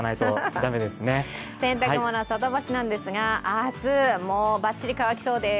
洗濯物、外干しなんですが、明日、バッチリ乾きそうです。